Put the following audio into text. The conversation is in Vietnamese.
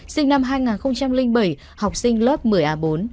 sinh năm hai nghìn bảy học sinh lớp một mươi a bốn